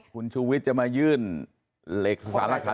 คุณชูวิทย์จะมายื่นเหล็กสารขาดนั้น